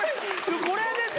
これですよ。